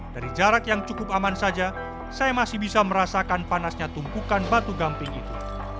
dari jarak yang cukup aman saja saya masih bisa merasakan panasnya tumpukan batu gamping itu